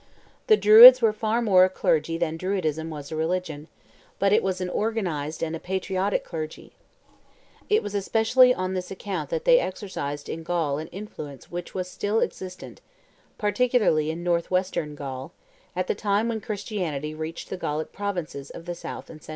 The Druids were far more a clergy than Druidism was a religion; but it was an organized and a patriotic clergy. It was especially on this account that they exercised in Gaul an influence which was still existent, particularly in north western Gaul, at the time when Christianity reached the Gallic provinces of the south and centre.